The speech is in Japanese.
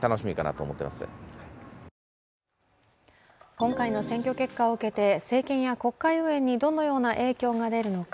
今回の選挙結果を受けて政権や国会運営にどのような影響が出るのか。